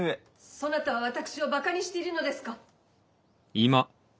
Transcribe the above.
・そなたは私をバカにしているのですか？